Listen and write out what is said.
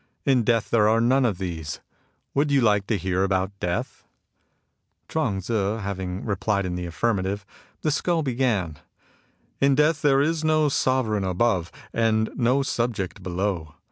In death there are none of these. Would you like to hear about death ?" Chuang Tzu having replied in the affirmative, the skull began :'^ In death there is no sovereign above, and no subject below.